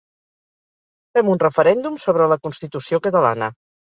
Fem un referèndum sobre la constitució catalana.